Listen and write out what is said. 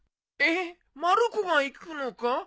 えっまる子が行くのか？